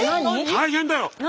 大変だよ！